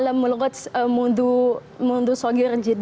dan saya belajar bahasa sejak kecil